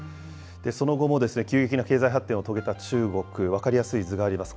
その後も急激な経済発展を遂げた中国、分かりやすい図があります。